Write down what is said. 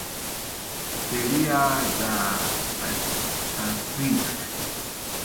Sheria za Sandhi